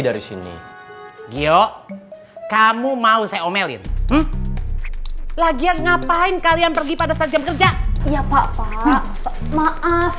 dari sini gio kamu mau saya omelin lagian ngapain kalian pergi pada saat jam kerja ya pak maaf